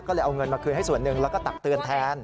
ก็เลยเอาเงินมาคืนให้ส่วนหนึ่งแล้วก็ตักเตือนแทน